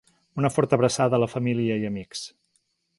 Una forta abraçada a la família i amics.